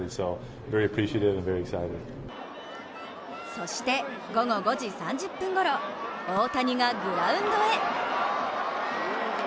そして、午後５時３０分ごろ大谷がグラウンドへ。